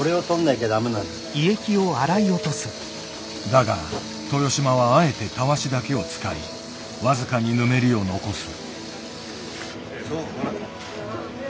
だが豊島はあえてタワシだけを使い僅かにぬめりを残す。